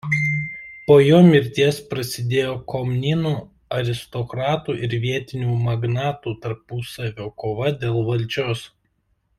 Po jo mirties prasidėjo Komninų aristokratų ir vietinių magnatų tarpusavio kova dėl valdžios.